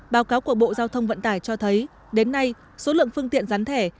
báo cáo của bộ giao thông vận tải cho thấy đến nay số lượng phương tiện gián thẻ